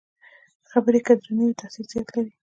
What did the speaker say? خبرې که درنې وي، تاثیر زیات لري